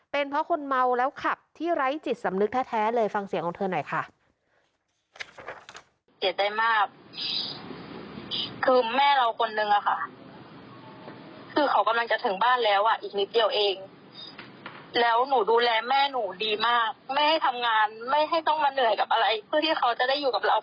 เป็นเพราะคนเมาแล้วขับที่ไร้จิตสำนึกแท้เลยฟังเสียงของเธอหน่อยค่ะ